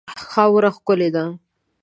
خاوره ښکلې ده.